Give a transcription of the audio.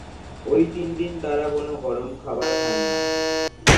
ঐ তিন দিন তারা কোন গরম খাবার খান না।